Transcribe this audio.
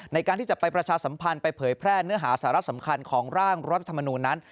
ในการที่จะไปประชาสัมพันธ์ไปเผยแพร่เนื้อหาสาระสำคัญของร่างรัฐธรรมนูญนั้น